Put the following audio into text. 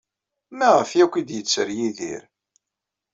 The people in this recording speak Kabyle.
Maɣef akk ay d-yetter Yidir?